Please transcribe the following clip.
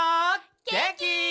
げんき？